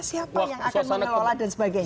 siapa yang akan mengelola dan sebagainya